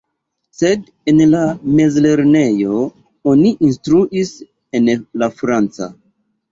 Sed en la mezlernejo oni instruis en la franca.